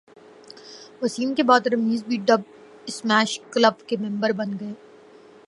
وسیم کے بعد رمیز بھی ڈب اسمیش کلب کے ممبر بن گئے